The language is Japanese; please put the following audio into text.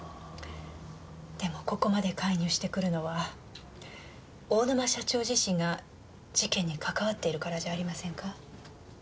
でもここまで介入してくるのは大沼社長自身が事件にかかわっているからじゃありませんか？